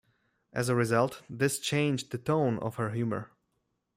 As a result, this changed the tone of her humor.